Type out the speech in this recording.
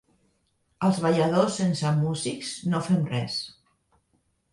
Els balladors sense músics no fem res.